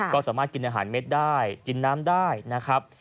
ก็สามารถกินอาหารเม็ดได้กินน้ำได้นะครับ